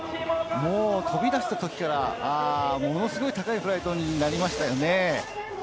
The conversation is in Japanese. もう飛び出した時から、ものすごい高いフライトになりましたね。